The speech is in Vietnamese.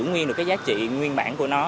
nguyên được cái giá trị nguyên bản của nó